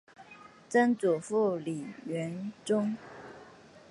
曾祖父李允中。